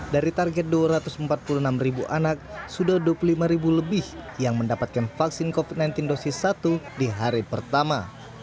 dari target dua ratus empat puluh enam ribu anak sudah dua puluh lima ribu lebih yang mendapatkan vaksin covid sembilan belas dosis satu di hari pertama